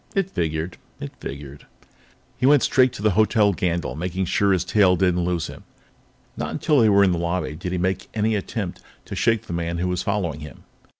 It figured; it figured. He went straight to the Hotel Gandyll, making sure that his tail didn't lose him. Not until they were in the lobby did he make any attempt to shake the man who was following him.